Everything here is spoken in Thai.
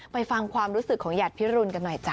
ฟังความรู้สึกของหยาดพิรุนกันหน่อยจ้